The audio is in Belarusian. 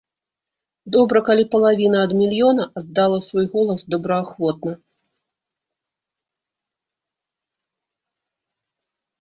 Добра, калі палавіна ад мільёна аддала свой голас добраахвотна.